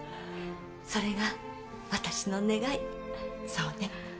それが私の願いそうね